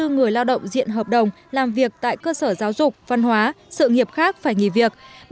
một trăm chín mươi bốn người lao động diện hợp đồng làm việc tại cơ sở giáo dục văn hóa sự nghiệp khác phải nghỉ việc